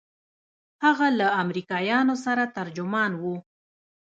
هغه له امريکايانو سره ترجمان و.